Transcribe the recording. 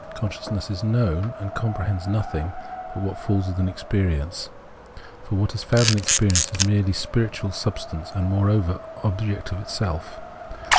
Consciousness knows and compre hends nothing but what falls within its experience ; for what is found in experience is merely spiritual sub stance, and, moreover, object of its self.